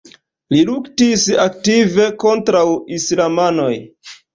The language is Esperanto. Li luktis aktive kontraŭ islamanoj.